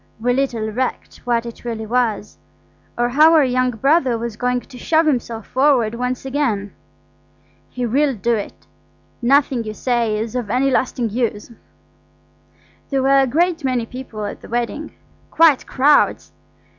We little recked what it really was, or how our young brother was going to shove himself forward once again. He will do it. Nothing you say is of any lasting use. There were a great many people at the wedding–quite crowds.